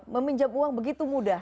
meminjam uang begitu mudah